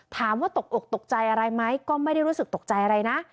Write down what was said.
ตกอกตกใจอะไรไหมก็ไม่ได้รู้สึกตกใจอะไรนะ